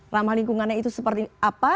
ramah lingkungannya itu seperti apa